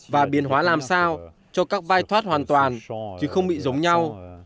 và biến hóa làm sao cho các vai thoát hoàn toàn chứ không bị giống nhau